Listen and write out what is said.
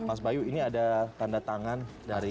mas bayu ini ada tanda tangan dari